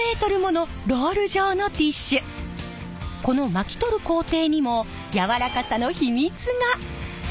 この巻き取る工程にも柔らかさの秘密が！